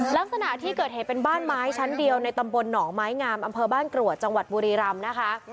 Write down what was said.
ลักษณะที่เกิดเหตุเป็นบ้านไม้ชั้นเดียวในตำบลหนองไม้งามอำเภอบ้านกรวดจังหวัดบุรีรำนะคะ